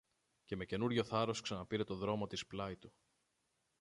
Και με καινούριο θάρρος ξαναπήρε το δρόμο της πλάι του.